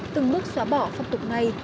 từng bước xóa bỏ pháp tục này